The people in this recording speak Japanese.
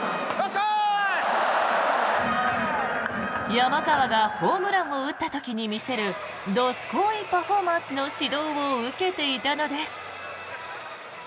山川がホームランを打った時に見せるどすこいパフォーマンスの指導を受けていたのです。